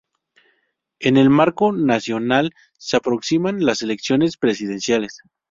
En el marco nacional se aproximan las elecciones presidenciales.